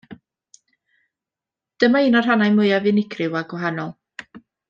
Dyma un o'r rhannau mwyaf unigryw a gwahanol.